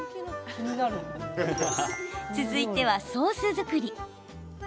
続いてはソース作り。